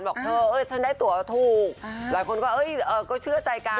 บอกเธอฉันได้ตัวถูกหลายคนก็เชื่อใจกัน